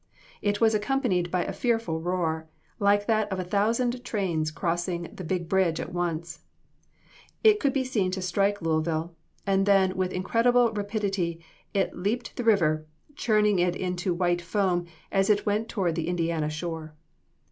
It was accompanied by a fearful roar, like that of a thousand trains crossing the big bridge at once. It could be seen to strike Louisville, and then with incredible rapidity it leaped the river, churning it into white foam as it went toward the Indiana shore."